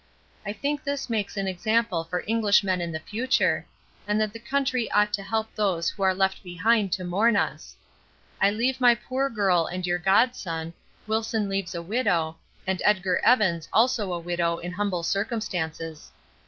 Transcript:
I think this makes an example for Englishmen of the future, and that the country ought to help those who are left behind to mourn us. I leave my poor girl and your godson, Wilson leaves a widow, and Edgar Evans also a widow in humble circumstances.